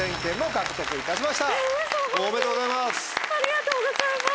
おめでとうございます！